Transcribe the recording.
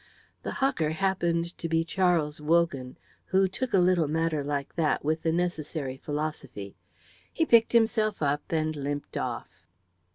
The hawker happened to be Charles Wogan, who took a little matter like that with the necessary philosophy. He picked himself up and limped off.